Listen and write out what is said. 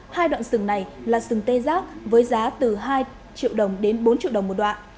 hai đoạn sừng này là sừng tê giác với giá từ hai triệu đồng đến bốn triệu đồng một đoạn